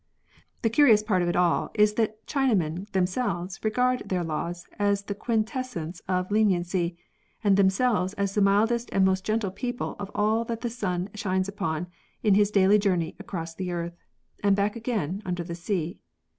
The curious part of it all is that Chinamen themselves regard their laws as the quintessence of leniency, and themselves as the mildest and most gentle people of all that the sun shines upon in his daily journey across the earth — and back again under the sea.